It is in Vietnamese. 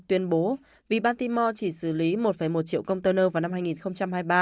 tuyên bố vì baltimore chỉ xử lý một một triệu công tơ nơ vào năm hai nghìn hai mươi ba